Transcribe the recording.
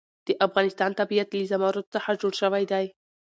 د افغانستان طبیعت له زمرد څخه جوړ شوی دی.